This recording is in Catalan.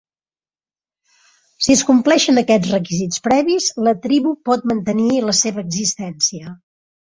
Si es compleixen aquests requisits previs, la tribu pot mantenir la seva existència.